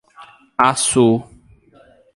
Açu